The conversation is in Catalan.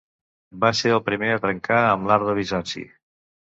Va ser el primer a trencar amb l'art de Bizanci.